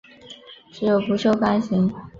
只有不锈钢型。